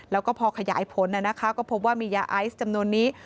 แล้วก็พอขยายผลก็พบว่ามียาไอซ์จำนวนนี้